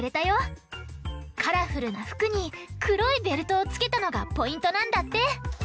カラフルなふくにくろいベルトをつけたのがポイントなんだって！